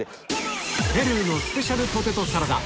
ペルーのスペシャルポテトサラダ